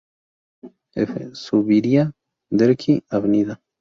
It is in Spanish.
F. Zuviría; Derqui; Av.